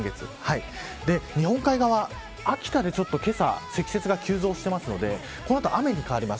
日本海側、秋田でちょっとけさ、積雪が急増しているのでこの後、雨に変わります。